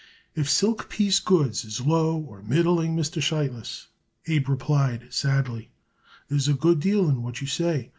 "If silk piece goods is low or middling, Mr. Sheitlis," Abe replied sadly, "there is a good deal in what you say.